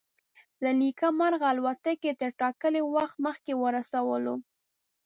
له نیکه مرغه الوتکې تر ټاکلي وخت مخکې ورسولو.